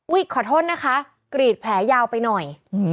ขอโทษนะคะกรีดแผลยาวไปหน่อย